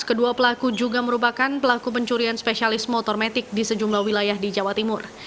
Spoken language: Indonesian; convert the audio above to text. kedua pelaku juga merupakan pelaku pencurian spesialis motor metik di sejumlah wilayah di jawa timur